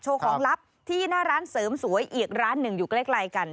ของลับที่หน้าร้านเสริมสวยอีกร้านหนึ่งอยู่ใกล้กัน